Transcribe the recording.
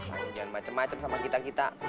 jangan macam macam sama kita